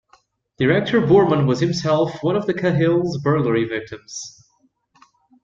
Director Boorman was himself one of Cahill's burglary victims.